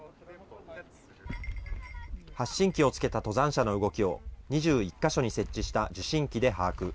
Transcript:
発信器をつけた登山者の動きを、２１か所に設置した受信機で把握。